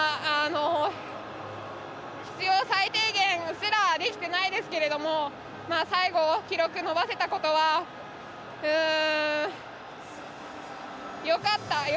必要最低限すらできてないですけれども最後、記録を伸ばせたことはよかった。